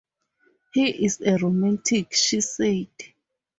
"He is a romantic," she said.